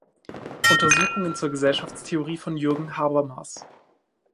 Untersuchungen zur Gesellschaftstheorie von Jürgen Habermas".